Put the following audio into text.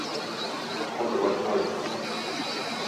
O to właśnie chodzi